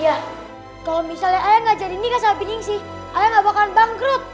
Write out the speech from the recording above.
iya kalau misalnya ayah gak jadi nikah sahabat ningsi ayah gak bakalan bangkrut